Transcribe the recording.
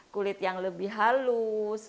kulit yang lebih halus